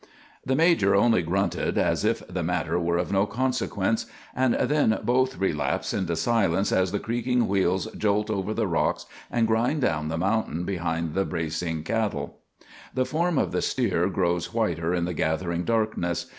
The major only grunted as if the matter were of no consequence, and then both relapse into silence as the creaking wheels jolt over the rocks and grind down the mountain behind the bracing cattle. The form of the steer grows whiter in the gathering darkness.